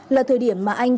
là thời điểm mà anh